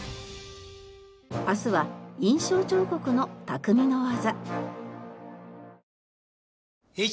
明日は印章彫刻の匠の技。